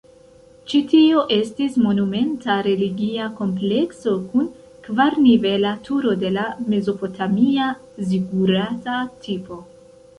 Ĉi tio estis monumenta religia komplekso kun kvar-nivela turo de la mezopotamia zigurata tipo.